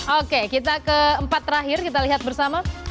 oke kita ke empat terakhir kita lihat bersama